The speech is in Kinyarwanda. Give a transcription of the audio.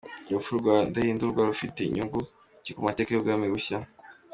Urupfu rwa Ndahindurwa rufite nyungu ki mu mateka y’ubwami bushya?